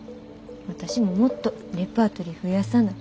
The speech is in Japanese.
私ももっとレパートリー増やさな。